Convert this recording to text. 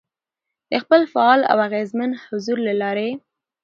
، د خپل فعال او اغېزمن حضور له لارې،